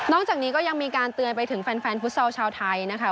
จากนี้ก็ยังมีการเตือนไปถึงแฟนฟุตซอลชาวไทยนะคะ